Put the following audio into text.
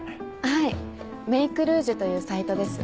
はいメイクルージュというサイトです。